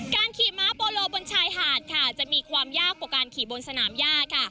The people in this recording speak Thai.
การขี่ม้าโบโลชายหาดจะมีความยากกว่าการขี่บนสนามยาก